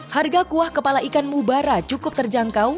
harga kuah kepala ikan mubara cukup terjangkau